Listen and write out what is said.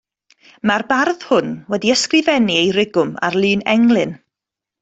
Mae'r bardd hwn wedi ysgrifennu ei rigwm ar lun englyn.